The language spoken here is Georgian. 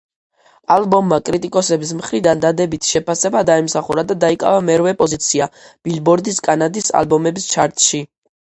ალბომმა კრიტიკოსების მხრიდან დადებითი შეფასება დაიმსახურა და დაიკავა მერვე პოზიცია ბილბორდის კანადის ალბომების ჩარტში.